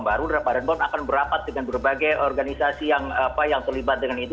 baru badan pom akan berapat dengan berbagai organisasi yang terlibat dengan itu